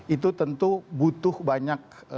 itu tentu butuh banyak